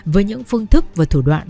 với những phương thức và thủ đoạn